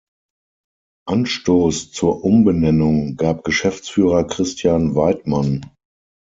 Anstoß zur Umbenennung gab Geschäftsführer Christian Weidmann.